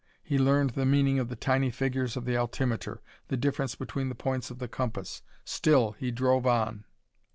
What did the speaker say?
He learned the meaning of the tiny figures of the altimeter; the difference between the points of the compass. Still he drove on.